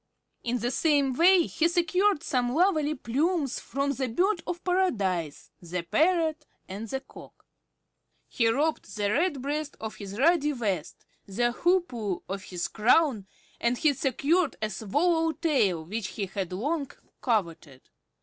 In the same way he secured some lovely plumes from the Bird of Paradise, the Parrot, and the Cock. He robbed the Redbreast of his ruddy vest, the Hoopoe of his crown, and he secured a swallow tail which he had long coveted.